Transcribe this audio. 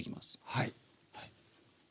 はい。